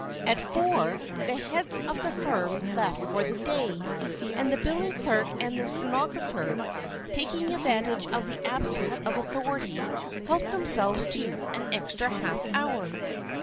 At four, the heads of the firm left for the day; and the billing clerk and the stenographer, taking advantage of the absence of authority, helped themselves to an extra half hour.